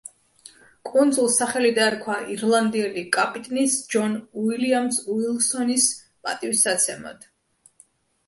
კუნძულს სახელი დაერქვა ირლანდიელი კაპიტნის, ჯონ უილიამს უილსონის პატივსაცემად.